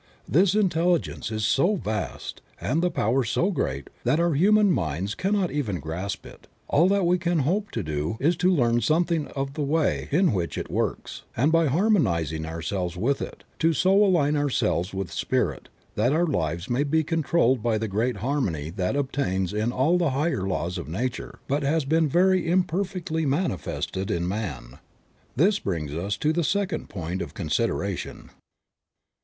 This Intelligence is so vast, and the power so great that our human minds cannot even grasp it ; all that we can hope to do is to learn something of the way in which it works, and by harmonizing ourselves with it, to so align ourselves with Spirit that our lives may be controlled by the great harmony that obtains in all the higher laws of nature, but has been very imperfectly mani fested in man. This brings us to the second point of consideration. Creative Mind.